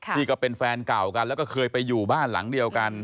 ที่เป็นแฟนเก่ากันแล้วก็เคยไปอยู่บ้านหลังเดียวกัน